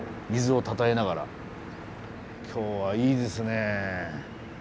今日はいいですね。